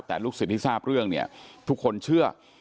แต่ลูกศิษย์ที่ทราบเรื่องเนี่ยทุกคนเชื่อ